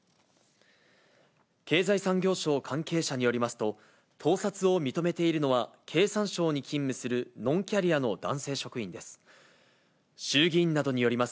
経済産業省関係者によりますと、盗撮を認めているのは、経産省に勤務するノンキャリアの男性職員です。